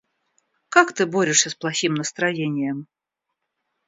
Как ты борешься с плохим настроением?